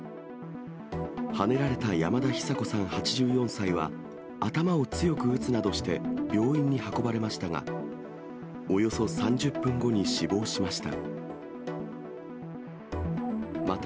はねられた山田久子さん８４歳は、頭を強く打つなどして病院に運ばれましたが、およそ３０分後に死亡しました。